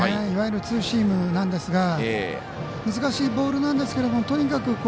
いわゆる、ツーシームなんですが難しいボールなんですけどとにかく